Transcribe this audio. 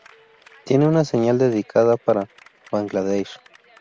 Tiene una señal dedicada para Bangladesh.